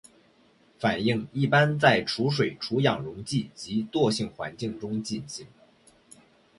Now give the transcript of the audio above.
反应一般在除水除氧溶剂及惰性环境中进行。